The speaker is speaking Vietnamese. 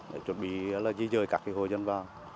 để chuẩn bị di rời các hồ dân vào